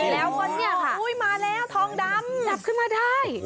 แล้ววันนี้ค่ะอุ้ยมาแล้วทองดำจับขึ้นมาได้